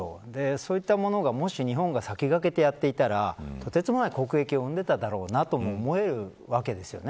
そういったものが、もし日本が先駆けてやっていたらとてつもない国益を生んでいただろうなとも思えるわけですよね。